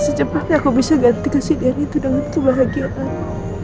secepatnya aku bisa ganti kesawarean itu dengan kebahagiaan baru